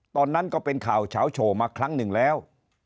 ตอนนั้นก็เป็นข่าวเฉาโฉมาครั้งหนึ่งแล้ว